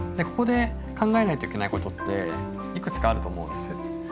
ここで考えないといけないことっていくつかあると思うんです。